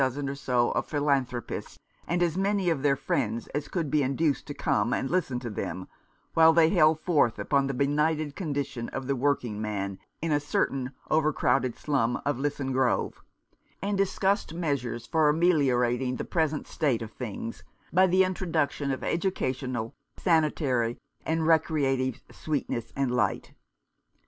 ~en or so of philanthropists, and as many of their friends as could be induced to come and listen to them while they held forth upon the benighted condition of the working man in a certain over crowded slum of Lisson Grove, and discussed measures for ameliorating the present state of Nineteenth century Crusaders. things, by the introduction of educational, sanitary, and recreative sweetness and light.